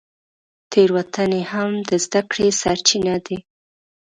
تېروتنې هم د زده کړې سرچینه دي.